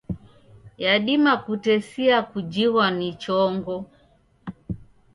Yadima kutesia kujighwa ni chongo.